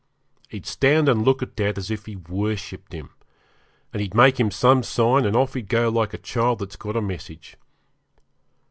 He'd stand and look at dad as if he worshipped him, and he'd make him some sign and off he'd go like a child that's got a message.